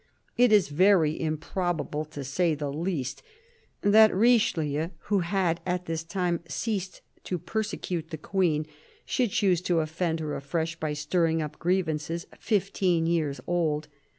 It is very improbable, to say the least, that Richelieu, who had at this time ceased to per secute the Queen, should choose to offend her afresh by stirring up grievances fifteen years old.